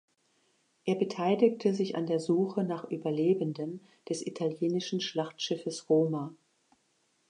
Er beteiligte sich an der Suche nach Überlebenden des italienischen Schlachtschiffes "Roma".